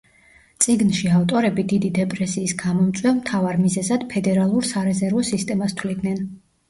წიგნში ავტორები დიდი დეპრესიის გამომწვევ მთავარ მიზეზად ფედერალურ სარეზერვო სისტემას თვლიდნენ.